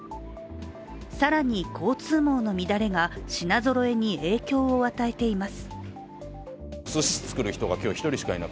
更に交通網の乱れが品ぞろえに影響を与えています。